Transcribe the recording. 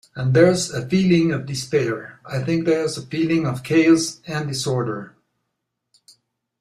And there's a feeling of despair...I think there's a feeling of chaos and disorder.